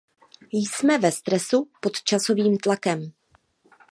Jsme ve stresu, pod časovým tlakem.